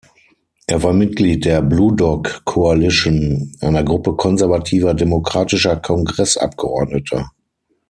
Er war Mitglied der Blue Dog Coalition, einer Gruppe konservativer demokratischer Kongressabgeordneter.